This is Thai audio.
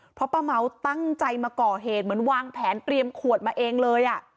เพราะป้าเม้าตั้งใจมาก่อเหตุเหมือนวางแผนเตรียมขวดมาเองเลย